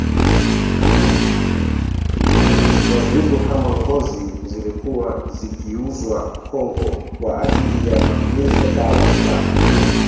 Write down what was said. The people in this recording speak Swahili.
za viungo kama ngozi zilikuwa zikiiuzwa kongo kwa ajili ya matumizi ya dawa za